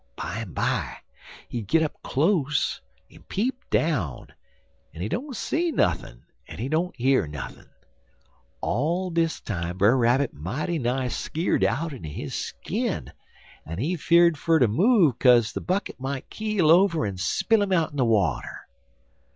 Bimeby he git up close en peep down, but he don't see nuthin' en he don't year nuthin'. All dis time Brer Rabbit mighty nigh skeer'd outen his skin, en he fear'd fer ter move kaze de bucket might keel over en spill him out in de water.